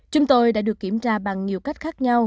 chúng tôi đã được kiểm tra bằng nhiều cách khác nhau